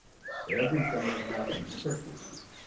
Everything had happened quickly.